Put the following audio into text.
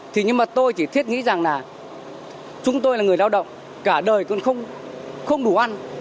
thì nhưng mà tôi chỉ thiết nghĩ rằng là chúng tôi là người lao động cả đời con không đủ ăn